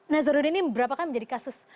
nazaruddin ini berapakah menjadi kasus